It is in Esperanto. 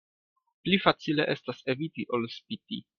Pli facile estas eviti ol spiti.